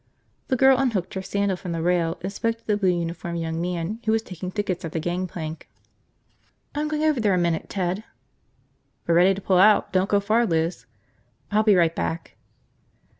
The girl unhooked her sandal from the rail and spoke to the blue uniformed young man who was taking tickets at the gangplank. "I'm going over there a minute, Ted." "We're ready to pull out. Don't go far, Liz." "I'll be right back."